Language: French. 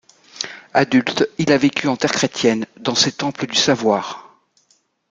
Adulte il a vécu en terre chrétienne, dans ses temples du savoir.